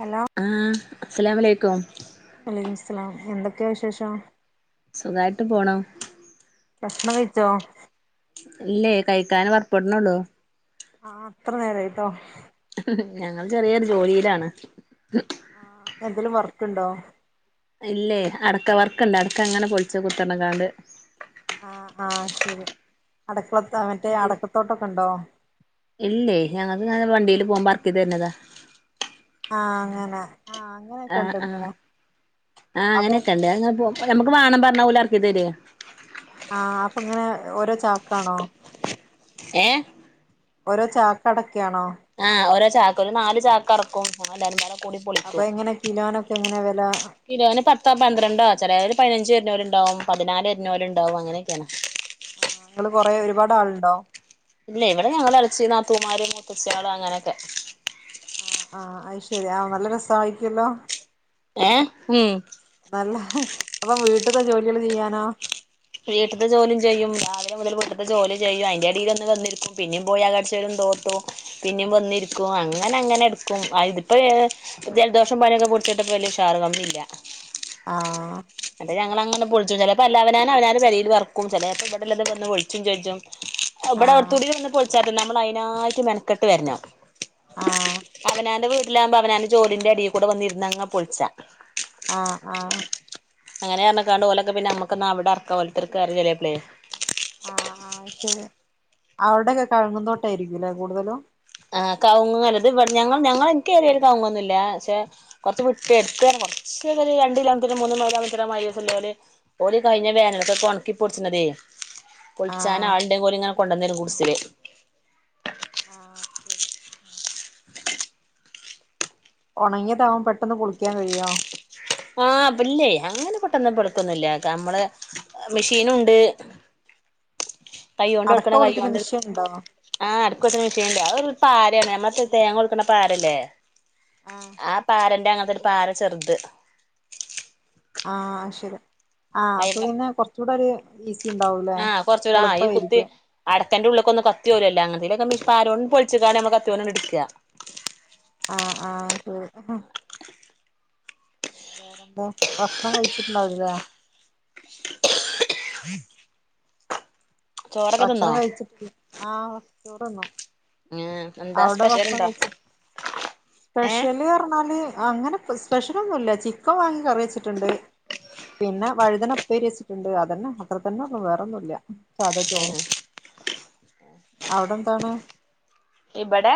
Hello ആഹ് അസ്സലാമലൈകും വലൈക്കും സ്ലാം എന്തൊക്കെ വിശേഷം സുഖായിട്ട് പോണു ഭക്ഷണം കഴിച്ചോ ഇല്ലേ കഴിക്കാന് പർപ്പെട്ണള്ളു ആഹ് ത്ര നേരായിട്ടോ ഞങ്ങൾ ചെറിയരു ജോലിയിലാണ് ആഹ് എന്തേലും വർക്ക് ണ്ടോ ഇല്ലേ, അടക്ക, വർക്കുണ്ട്, അടക്ക, അങ്ങനെ, പൊളിച് കുത്തർന്ന്കാണ്ട് ആ, ആ, ശരി, [unintelligible] അടക്കത്തോട്ടൊക്കെ ഉണ്ടോ [unintelligible] ഇല്ലേ, ഞങ്ങക്ക്, ങ്ങനെ, വണ്ടയില് [unintelligible] ആ, അങ്ങനെ ആഹ് അങ്ങനെയൊക്കെ ഉണ്ടല്ലേ [unintelligible] അപ്പൊ അങ്ങനെയൊക്കെ,, എങ്ങനെ ണ്ട്, [unintelligible] വാണം, പറഞ്ഞ, ഓൽ, ഇറകിതരെ ആ, അപ്പൊ, ങ്ങനെ, ഓരോ, ചാക്കാണോ ഏ ഓരോ, ചാക്ക, ടക്കയാണോ ഓരോ ചാക്ക്, ഒരു, നാല്, ചാക്ക്റകും, [unintelligible] [unintelligible] അപ്പൊ പൊളിക്കും, എങ്ങനെ കിലോനൊക്കെ എങ്ങനെ വില ആഹ് കിലോന് പത്തോ, പന്ത്രണ്ടോ, ചിലോര്, പതിനഞ്ച്, [unintelligible] പതിനാല്, തരുന്നോലുണ്ടാകും അങ്ങനെയൊക്കെയാണ്, നിങ്ങള് കൊറേ [unintelligible] ഇല്ല, ഇവിടെ, ഞങ്ങ, ഇരച്ചി, നാത്തൂമാര, മുത്തഛികളും, അങ്ങനെയൊക്കെ ആ, ആഹ്, അ, ശരി, ആ, നല്ല, രസമായിരിക്കുമല്ലോ, ഏ ഉം നല്ല, അപ്പൊ, വീട്ടത്തെ, ജോലികൾ, ചെയ്യാനോ വീട്ടിത്തെ, ജോലിയും, ചെയ്യും, രാവിലെ, മുതൽ, വീട്ടത്തെ ജോലി, ചെയ്യും, അതിൻ്റെ, ഇടയിലൊന്ന്, വന്നിരിക്കും, പിന്ന, പോയി, അകം അടിച്ച് വാരും ആ, കാഴ്ച, [unintelligible] പിന്നും, വന്നിരിക്കും, അങ്ങനെ, അങ്ങനെ, എടുക്കും, ഇതിപ്പോ, ജലദോഷം, പനി പൊക്കെ കേട്ടപ്പോ, വല്ല ഉഷാർ, കമ്മി, ഇല്ല ആ അതേ, ഞൾങ്ങനെ, പൊളിച്ചും, ചിലപ്പോ, അല്ല, അവന, അവന, പേരില്, ഇറക്കും, ചിലപ്പോ, ഇവിടെയുള്ളത്, ഇവിടുന്ന് പൊളിച്ചും ചെയ്യും ഇവിടെ, ആഹ് അവിടുത്തടി, വന്ന്, പൊളിച്ചാ, നമ്മൾ, അതിനായിട്ട്, മെനക്കെട്ട്, വരഞ്ഞോ ആ [unintelligible] അവനെൻ്റെ, ജോലിൻ്റെ, ഇടയിൽ, കൂടെ, വന്നിരന്ന്ങ്ങങ്, പൊളിച്ച ആ, ആ അങ്ങനെയ, ആർന്ന്കണ്ട്, ഒലോകെപിന്നെ, നമ്മുക്ക്, അവിടെ, ഇറക്ക, [unintelligible] അവവിടെയൊക്കെ, കയ്യുങ്ങും, തോട്ടായിരിക്കൂല്ലേ, കൂടുതലും ആ, കവുങ്ല്ലത്, ഇവിടെ, ഞങ്ങ, ഞങ്ങൾ, എനിക്ക്, ഏറിയാലും, കവുങ്ങൊന്നും, ഇ, പക്ഷെ, കൊറച്ച്, വിട്ട,, എടുത്ത കുറച്ചേ, ഒരു രണ്ട്, കിലാമിറ്റ, മൂന്ന്, [unintelligible] കഴിഞ്ഞ, വേനൽക്, ഒക്കെ ഉണക്കിപ്പൊടിച്ചിനത് പൊളിച്ചാന, ആഹ് ആളുണ്ടെങ്കിൽ ഓൽ ഇങ്ങനെ, കൊണ്ടൊന്നരും, ഗുഡ്സിൽ [inaudible] ഉണങ്ങിയതാവൻ, പെട്ടെന്ന്, പൊളിക്കാൻ, കഴിയോ ആ, പില്ലേ, അങ്ങനെ, പെട്ടെന്ന്, പടക്കൊന്നുമില്ല, നമ്മള, മെഷീൻുണ്ട് [inaudible] കയോണ്ട്, കൊണ്ട്, അടക്ക കൊടുക്കണ, പൊളിക്കുന്ന കൈയോണ്ട്, മിഷ്യൻ ഉണ്ടോ ആ [unintelligible] ഒരു, പാരയാണ്, നമ്മൾ തേങ്ങ, കൊടുക്കണ, പാരല്ലേ ആഹ് ആ, പാ രൻ്റെ, അങ്ങത്തെൊ, ഒരു, പാര, ചെറുത് ആ, ശരി, ആ, അപ്പൊ, പിന്നെ, കുറച്ചുകൂടെ, ഒരു ഉണ്ടാവൂലേ ആ, കൊറച്ചൂടെ, ആ, ഈ, കുത്തി, എളുപ്പായിരിക്കും അട എന്റെ, ഉള്ളൊക്കൊ, ഒന്ന്, കത്തിപോവിലല്ലോ,, അങ്ങനത്തെെ, പാരനോട് പൊളിച്ച്കണ്ട്, നമ്മ, കത്തിയൊണ്ട്, ഇട്കാ ആ, ആ, ശ വേറെന്താ, ഭക്ഷണം, കഴിച്ചിട്ടുണ്ടാവടില്ല [unintelligible] ചോറൊക്കെ തിന്നോ ഭക്ഷണം കഴിച്ചിട്ട് ആ ചോറ്ന്നു.. ഉം എന്താ അവിടെ ഭക്ഷണം സ്പെഷ്യലുണ്ടോ കഴിച്ച ഏഹ് സ്പെഷല്ന് പറഞ്ഞാല്... അങ്ങന സ്പെഷ്യലൊന്നും ഇല്ല ചിക്കൻ വാങ്ങി കറി വെച്ചിട്ടുണ്ട്.. പിന്നെ വഴുതന ഉപ്പേരി വെച്ചിട്ടുണ്ട് അതന്നെ അത്ര തന്നെ ഉള്ളൂ വേറൊന്നുംല്ല... സാദാ ചോറും അവിടെ എന്താണ്.. ഇവിടെ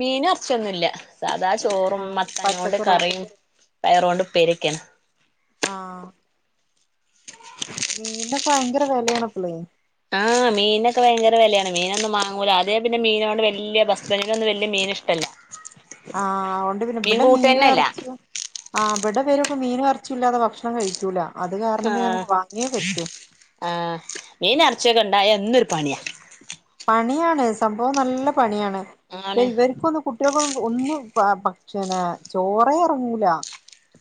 മീനും എറച്ചിഒന്നുംല്ല.. സാധാ ചോറും ആഹ് മത്തന കൊണ്ട് പച്ചക്കറിയാണോ കറിയും പയറൊണ്ട് ഉപ്പേരിയൊക്കെണ്. മീനൊക്കെ ഭയങ്കര വിലയാണ്പ്പളേ. ആഹ് മീനൊക്കെ ഭയങ്കര വിലയാണ് മീനൊന്നുംവാങ്ങൂല അതേ പിന്നെ മീനോട് വലിയ ബസ്ബണ്ട്നോന്നും വല്ല്യ മീ ഇഷ്ടല്ല. ആഹ അതൊണ്ട് പിന്നെ മീൻ ഇവിടെ മീനും കൂട്ടന്നല്ല ഇറച്ചിയും ആ ഇവിടെ ഇവരൊക്കെ മീനും ഇറച്ചി ഇല്ലാതെ ഭക്ഷണം കഴിക്കൂല്ല. ആഹ ആഹ മീനും ഇറച്ചി ച്ചൊക്കണ്ട ണ്ടായാൽ എന്നൊരു പണിയാ പണിയാണ് സംഭവം നല്ല പണിയാണ് പക്ഷെ ആണ് ഇവർക്കൊന്നും കുട്ടികൾക്കെ ഒന്നും ഭക്ഷണം ചോറെ ഇറങ്ങൂല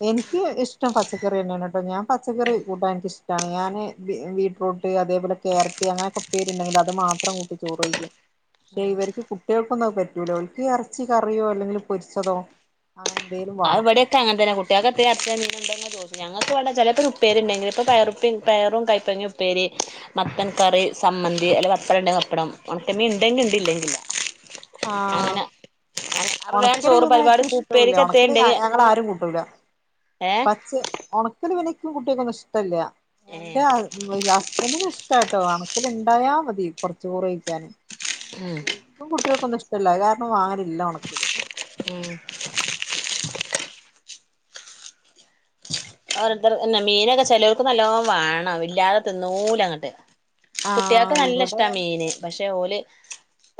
എനിക്ക് ഇഷ്ടം പച്ചക്കറി തന്നെയാണ് ട്ടൊ ഞാൻ പച്ചക്കറി കൂട്ടാൻ എനിക്ക് ഇഷ്ടം. ഞാന് ബീട്രൂട്ട് അതേപോലെക്യാരറ്റ് അങ്ങനെയൊക്കെ ഉപ്പേരിണ്ടങ്കിൽ അത് മാത്രം. മാത്രം കൂട്ടി ചോറ് കഴിക്കും. പക്ഷേ ഇവർക്ക് കുട്ടികൾക്കൊന്നും അത് പറ്റൂല ഒര്ക്ക് ഇറച്ചി കറിയോ അല്ലെങ്കിലിൽ പൊരിച്ചതോ അങ്ങനെ എന്തേലും അത് വേണം ഇവിടെക്കെ അങ്ങന തന്നെ കുട്ടിക്കെന്താങ്കിൽ ഇറച്ചിയൊ മീനോ ണ്ടാ ന്ന് ചോയ്ച്ചും. ഞങ്ങൾക്ക് ഇവടെ ചിലപ്പോൾ ഉപ്പേരി ഉണ്ടെങ്കിൽ ഇപ്പോ പയറുപെ പയറും കൈപ്പങ്ങ ഉപ്പേരി മത്തൻ കറി സം ച്ചമ്മന്തി അല്ലെങ്കിൽ പപ്പടം ണ്ടെങ്കിൽ പപ്പടം ഉണക്കമീൻ ഇണ്ടെങ്കിൽ ഉണ്ട് ഇല്ലെങ്കിൽ ഇല്ലാ. ആഹ് അങ്ങനെ അപ്പം വേം ചോറ് പരിപാടി ഉ പ്പേരിക്കത്തെ [unintelligible] ഞങ്ങൾ ആരും കൂട്ടുല ഏഹ് പച്ചേ ഉണക്കൽ പിന്നെ ഇൻക്കും കുട്ടിയക്കൊന്നും ഇഷ്ടഇല്യ ഏഹ് എന്റെ ഹ ഹസ്ബന് ഇഷ്ടട്ടോ ഉണക്കൽ ഇണ്ടായ മതി. കുറച് ചോറെയ്ക്കാന് ഉം [unintelligible] ഇഷ്ടല്ലാ അത് കാരണം വാങ്ങലില്ല. മ് ഓരോർ മീനൊക്കെ ചെലൊൽക്ക് നല്ലോ വേണം ഇല്ലാതെ തിന്നൂല അങ്ങട്ട്. ആഹ് കുട്ടികൾക്ക് നല്ല ഇവിടെ ഇഷ്ടാ മീന് പക്ഷെ ഓല്.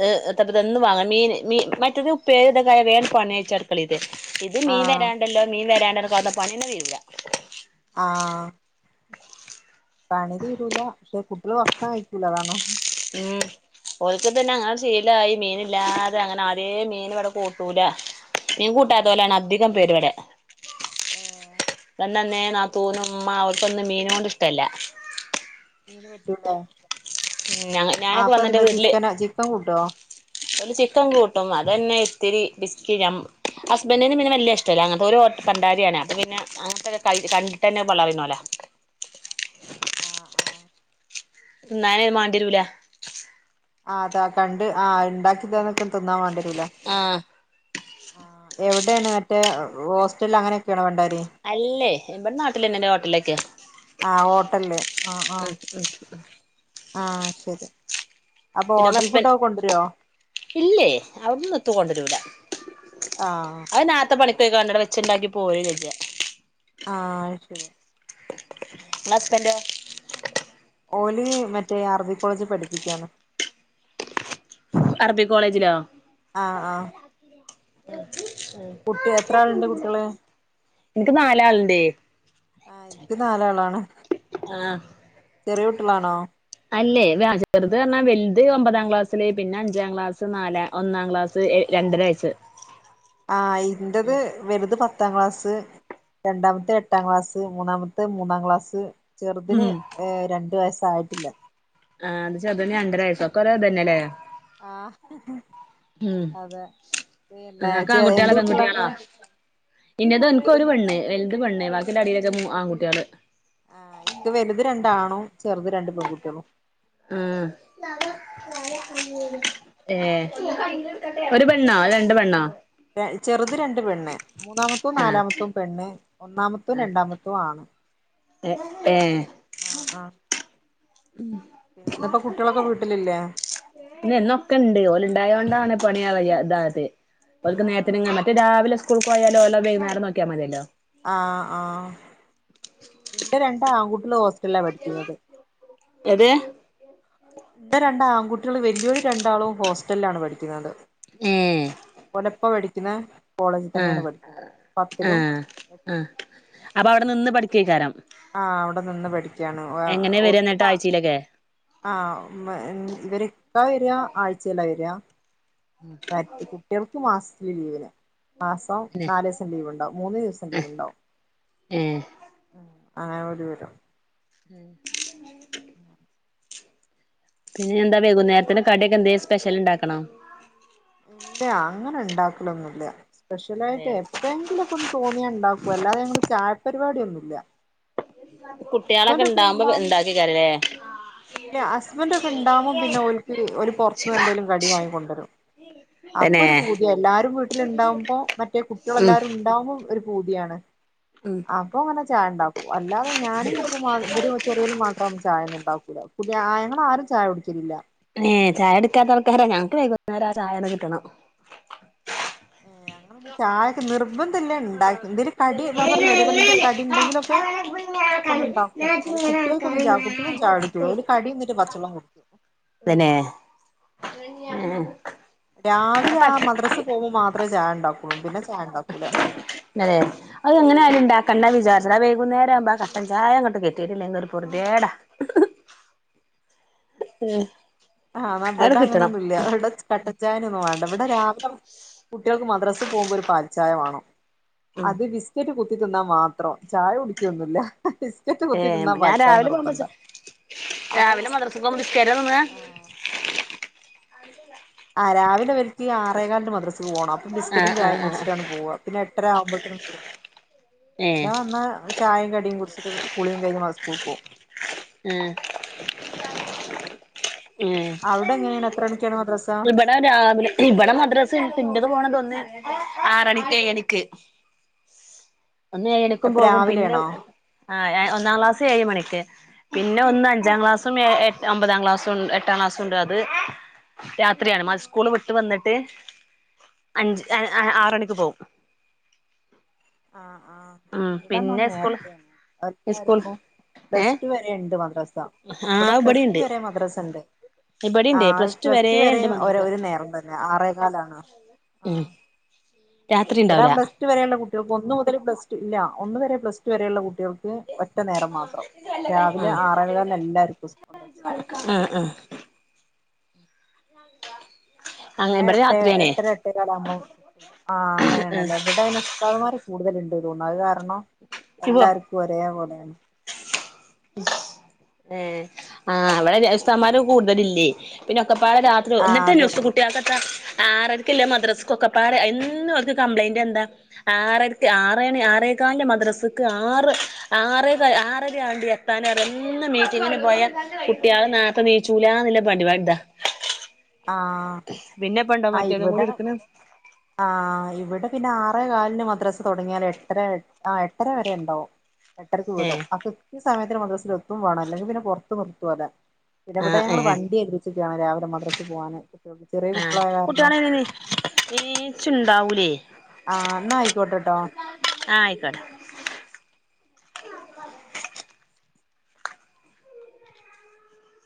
ഏ് എത്തപ്പ തെന്നും വാങ്ങ മീൻ മീ മറ്റേത് ഉപ്പരിയും ത്ക്കെ ആയാൽ വേം പണിയ്ച്ച അടുക്കളിതെ. ഇത് മീൻ ആഹ് വരാണ്ടല്ലോ മീൻ വരാണ്ടല്ലോ കാത്ത പണിന്നെ തീരുല. ആഹ് പണി തീരൂല പക്ഷെ കുട്ടികൾ ഭക്ഷണം കഴിക്കൂല അതാണ്. ഉം ഒൽക് തന്നെ അങ്ങനെ ശീലായി മീന ഇല്ലാതെ അങ്ങനെ ആദ്യേ മീൻ ഇവിടെ കൂട്ടൂല. മീൻ കൂട്ടാത്തെലെണ് അധികം പേരുവിടെ. ഞാൻ ഉം വന്നാ അന്നേ നാതൂനും ഇമ്മ അവർക്കൊന്നും മീനെ ഇഷ്ടല്ല. മീൻ പറ്റൂലെ. ഞ ഞാനൊക്കെ വന്ന എന്റെ വീട്ടില് ചിക്കൻ കൂട്ടോ ഒരു ചിക്കൻ കൂട്ടും അതന്നെ. ത്തിരി പിസ്ക്കി ഹസ്ബൻട്ടിന് പിന്നെ വല്ല്യ ഇഷ്ടല്ല അങ്ങനത്തെ ഒരു പണ്ടാരിയാണ് അപ്പ പിന്നെ അങ്ങനത്തെ. കണ്ടിട്ടെന്ന പള്ള നറയുന്നോല. ആഹ് ആഹ് തിന്നാന്ന് മാണ്ടിയരൂല... ആ് അതാ കണ്ട് ആഹ് ണ്ടാക്കിതന്ന് ട്ട് ണ്ട് തിന്നാൻ വേണ്ടിരൂല ആഹ് എവിടെയാണ് മറ്റേ ഹോസ്റ്റലിൽ അങ്ങനൊക്കെയണോ പണ്ടാരി. അല്ലേ ഇവിടെ നാട്ടിലന്നെ ഹോട്ടലിലേക്കെ. ആഹ ഹോട്ടല്ല് ആഹ ആഹ ഉം ആഹ ശരി.. അപ്പൊ പിന്നെ ഹോട്ടൽ മസ്ബൻ ഫുഡൊക്കെ കൊണ്ടുവരുവോ ഇല്ലേ അവിടന്ന് എത്തും കൊണ്ടരൂല. ആഹ് അവനാത്തെ പണിക്കൊക്ക കണ്ടട വെച്ചണ്ടാക്കി പോര ചെജ്ജ ആ ഇങ്ങളെ ഹസ്ബന്റോ ഓല് മറ്റേ അർബി കോളേജിൽ പഠിപ്പിക്കയാണ് അറബി കോളേജിലോ ആ ആ ആ [unintelligible] [unintelligible] കുട്ടി എത്ര ആളുണ്ട് കുട്ടികള് ഇൻക്ക് നാലാളുണ്ട് ആ ഇപ്പ നാലാളാണ് ആഹ് ചെറിയ കുട്ടികളാണോ അല്ലേ ചെറുത് പറഞ്ഞാൽ വലുത് ഒമ്പതാം ക്ലാസില് പിന്നെ അഞ്ചാം ക്ലാസ്സ് നാലാം ഒന്നാം ക്ലാസ് രണ്ടര വയസ് ആ ഇന്റത് വലുത് പത്താം ക്ലാസ് രണ്ടാമത്തെ എട്ടാം ക്ലാസ് മൂന്നാമത്തെ അത്തെ മൂന്നാം ക്ലാസ് ചെറുതിന് ഉം ഏ രണ്ട് വയസായിട്ടില്ല ആഹ് ചെറുതിന് രണ്ടര വയസൊക്കെ ഒരേ തന്നെല്ലേ ആഹ് അതെ പിന്നെ ചെ എന്ത് [unintelligible] ഇന്ന അത് എനക്ക് ഒരു പെണ് വലുത് പെണ്ണ് ബാക്കിന്റെ അടിയിലൊക്കെ ആൺകുട്ടികള് ആഹ ഇത് വലുത് രണ്ടാണോ ചെറുത് രണ്ട് പെൺകുട്ടികളും ഉ [inaudible] ഏ ഒരു പെണ്ണോ അതോ രണ്ട് പെണ്ണോ ചെറുത് രണ്ട് പെണ്ണ് മൂന്നാമത്തും ആഹ് നാലാമത്തും പെണ്ണ് ഒന്നാമത്തും രണ്ടാമത്തും ആണ് ഏ ആഹ് ആഹ് പിന്നെ എന്തപ്പ കുട്ടികളൊക്കെ വീട്ടിലില്ലേ പിന്ന എന്നൊക്കെ ഉണ്ട് ഓല ഉണ്ടായതു കൊണ്ടാണ് പണി കഴി ഇതാത് അവർക്ക് നേരത്ത് ആഹ് കാലത്തിനും മറ്റേ രാവിലെ സ്കൂൾ പോയാൽ മതില്ലോ നേരം നോക്കിയാ മതിയല്ലോ ആ ആ ഇന്റെ രണ്ട് ആൺകുട്ടികൾ ലാ പഠിക്കുന്നത് എത് കുട്ടികൾ വലിയൊരു രണ്ടാളും ഹോസ്റ്റലിലാണ് പഠിക്കുന്നത് ഏഹ് ഓനപ്പ പഠിക്കുന്ന കോളേജിൽ ആഹ് തന്നെയാണ് പഠിക്കുന്നത് പത്തിലും എട്ടിലും അ നിന്ന് പഠിക്കേ കാരം ആഹ് അവിടെ നിന്ന് പഠിക്കയാണ് എങ്ങനെ വര ഒത്തു എന്നിട്ട് ആഴ്ചയിലൊക്കെ ആ [unintelligible] ഇവര് എന്നാ വരിക ആഴ്ചയിലാ വരിക മറ്റ് കുട്ടികൾക്ക് മാസത്തില ലീവിന് മാസം പിന്നെ നാല് ദിവസം ലീവ് ഉണ്ടാവും മൂന്ന് ദിവസം ലീവ് ഉണ്ടാവും ഉം ആ ഒരു വിധം [unintelligible] [unintelligible] പിന്നെ എന്താ വൈകു നേരത്തിന് കടിയൊക്കെ എന്താ സ്പെഷ്യൽ ഉണ്ടാക്കണോ ഇല്ല അങ്ങനെ ഉണ്ടാക്കലൊന്നുമില്ല സ്പെഷ്യലായിട്ട് ഏഹ് എപ്പോഴെങ്കിലുമൊക്കെ ഒന്ന് തോന്നിയാ ഉണ്ടാക്കും അല്ലാതെ ചായപരിപാടി ഒന്നുമില്ല കുട്ടികളൊക്കെ ഉണ്ടാവുമ്പോ ഉണ്ടാക്കിക്കാരല്ലേ ഇല്ല ഹസ്ബൻഡ് ഒക്കെ ഉണ്ടാകുമ്പോ പിന്നെ ഓലിക്ക് ഒരു പുറത്ത് നിന്ന് ശിവ എന്തേലും കടി വാങ്ങിക്കൊണ്ടുവരും അപ്പൊ തന്നെ ഒരു പുതിയ എല്ലാരും വീട്ടില ഉണ്ടാവുമ്പോ മറ്റേ കുട്ടികൾ ഉം എല്ലാവരും ഉണ്ടാവുമ്പോ ഒരു ഭൂതിയാണ് ഉം അപ്പൊ അങ്ങനെ ചായ ഉണ്ടാക്കും അല്ലാതെ ഞാനും കുട്ടിക വര ചെറിയൽ മാത്രം ചായയ ഒന്ന ഉണ്ടാക്കൂല കുട്ടികൾ ഞങ്ങളാരും ചായ കുടിക്കലില്ല ഏ ചായ എടുക്കാത്ത ആർക്കാരാഞങ്ങക്ക് വൈകുന്നേരം ചായ ഒന്ന് കിട്ടണം [unintelligible] ചായക്ക് നിർബന്ധല്ലേ ണ്ടാക്കല് എന്തേലു കടി ഞാമ്പറ ഞ്ഞില്ലേ അതേപോലെ എന്തരു കടിണ്ടെങ്കിലൊക്കെ അപ്പൊ ഒന്നും ഉണ്ടാക്കൂലെ? കുട്ടികൾക്കൊന്നും ചായ കുട്ടിളൊന്നും ചായുടിക്കൂല ഒല് കടിന്നിട്ട് പച്ചെള്ളം കുടിക്ക തന്നെ [inaudible] രാവിലെ ആ മദ്രസ പോകുമ്പോ മാത്രേ ചായണ്ടാക്കൊള്ളൂ. പിന്നെ ചായണ്ടാക്കൂല. തെ അയെങ്ങനാ കണ്ണ വിചാരച്ചയുടെ വൈകുന്നേരം ആവുമ്പാ കട്ടൻ ചായങ്ങട്ട് കിട്ടീട്ടില്ലെങ്ങിരു പറുത്യേടാ. [inaudible] ഉം ആഹ് ന്ന വിടങ്ങനെൊന്നും ഇല്ല വടെ കട്ടച്ചായൊനെ വ വിടെ രാവിലെ കുട്ടൃൾക്ക് മദ്രസ് പോകുമ്പോ ഒരു പാൽചായ വാണം. ഉം അത് ബിസ്ക്കറ്റ് കു ത്തിന്നാ മാത്രം ചായ കുടിക്കൊന്നുല്ല. ബിസ്ക്കറ്റ് ഏ കുത്തി തിന്നാ ഞാൻ പാൽച്ചായ രാവിലെ പോക നിർബന്ധ അത് രാവിലെ മദ്രസക്ക് പോകുമ്പ ബിസ്ക്കേറ്റാ തിന്നാ? [inaudible] ആ രാവിലെ വല് ഈ ആറേകാല്ന് മദ്രസേ പോണം. ബിസ്ക്കറ്റും ആഹ് ആഹ് ചായിം ആഹ് കുടിച്ചിട്ടാണ് പോവ. പിന്നെ എട്ടര ആവുമ്പോത്തിനും വിടും ഏ പിന്നെ വന്ന് ചായിം കടിം കുടിച്ചിട്ട് കുളിം കഴിഞ്ഞ് മാ സ്കൂൾക്ക് പോവും. ഉം എ അവിടെ എങ്ങനെയാണ് എത്ര മണിക്കാണ് മദ്രസ ഇവിടെ രാവിലെ ഇവടെ മദ്രസണ്ട്. ഇൻ്റത് പോണ തൊന്ന് ആറണിക്ക് എയണിക്ക്. ഒന്ന് ഏഴണിക്കും അപ്പ പോകും പിന്നെ രാവിലെയാണോ ആ ഏ ഒന്നാം ക്ലാസ് ഏഴ് മണിക്ക് പിന്നെ ഒന്ന് അഞ്ചാം ക്ലാസ്സും ഏ ഏ ഒമ്പതാം ക്ലാസ്സും ണ്ട് എട്ടാം ക്ലാസ്സുണ്ട് അത് രാത്രിയാണ് മത് സ്കൂള് വിട്ട് വന്നിട്ട് അഞ്ച് അ അ ആറരക്ക് പോവും. ആ ആ ഇവിടെന്നാ പിന്നെ സ്കൂൾ നേരത്തേ സ്കൂൾ എല്ലാർക്കും പ്ലസ് ഏഹ് ടു വരെ ണ്ട് മദ്രാസ ഇവ്ടെ ആഹ് പ്ലസ് ടു ഇബടിണ്ട് വരെ മദ്രസണ്ട്. ആ ഇബടിണ്ട് പ്ലസ് വരെ ടു ഉണ്ട് വരീം ഒര് മദ്രസ ഒരു നേരം തന്നെ ആറേകാലാണ് ആ ഉം രാത്രി ഇവിടെ ഉണ്ടാവൂല പ്ലസ്ടു വരെയുള്ള കുട്ടികൾക്ക് ഒന്നു മുതൽ പ്ലസ്ടു ല്ല ഒന്ന് വരെ പ്ലസ്ടു വരെള്ള കുട്ടി ട്ടികൾക്ക് ഒറ്റ നേരം മാത്രം. രാവിലെ ആറെ കാല്ന്നെല്ലാർക്കും. സ്കൂൾ ആഹ് ആഹ് അങ്ങനെ പിന്നെ ഇവിടെ എട്ടേ രാത്രിയാണേ എട്ടര എട്ടേകാലാവുമ്പോ ആ അങ്ങനെയണല്ലേ ഇവിടെ പിന്നെ സ്താദാമാര് കൂടുതല്ണ്ട്. ണ്ട് തോന്ന്ണ് അത് കാരണം ഇയ്യ് പോ എല്ലാർക്കും ഒരേപലെണ്. ഏ ആ അവിടുസ്താദ്മാര് കൂടുതലില്ലേ പിന്നെ ക്കൊപ്പാടെ രാത്രി ആഹ് ന്നിട്ട് അതെ നുസ് കുട്ടിയേൾക്കെത്താ ആറരക്കില്ല മദ്രസ്സക്കൊക്കെപ്പാടെ എന്നും അവർക്ക് കംപ്ലൈന്റെന്താ ആറര്ക്ക് ആറണി ആറേ ക്കാന്റെ മദ്രസക്ക് ആറ് ആറ് ആറര ആണ്ടി ത്താന് എന്ന് മീറ്റിങ്ങിന് പോയാ കുട്ടിയാള് നേർത്തെ നീച്ചൂലാന്നില്ല പരിപാ താ. [inaudible] ആ അ ഇവിടെ കൂടി എടുക്കണ് ആ ഇവിടെ പിന്നെ ആ റേ കാലിന് മദ്രാസ തൊടങ്ങിയാല് എട്ടര ആ എട്ടര വരെ ണ്ടാവും. എട്ടരക്ക് ഏ വീടും അ കൃത്യ സമയത്തിന് മദ്രസ്ല് എത്തും വേണ ല്ലങ്കി പിന്നെ പൊറത്ത് നിർത്തു ഓല്ലേ പിന്നെവിടെ ആഹ് ഞങ്ങള് ഏ വണ്ടിയേൽപ്പിച്ച്ക്കാണ് രാവിലെ മദ്രസ് ക്ക് പോവാന് ചെറിയ ആഹ് കുട്ടികളായ കാരണം കുട്ടികളെങ്ങനെ നീച്ചുണ്ടാവൂലേ ആ എന്നാ ആയിക്കോട്ടെട്ടോ. ട്ടെ